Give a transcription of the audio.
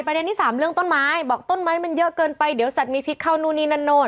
ประเด็นที่๓เรื่องต้นไม้บอกต้นไม้มันเยอะเกินไปเดี๋ยวแสดมีพิษเข้านู่นนี่นานโน่น